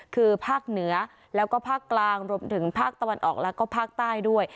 คือภาคเหนือแล้วก็ภาคกลางรวมถึงภาคตะวันออกแล้วก็ภาคใต้ด้วย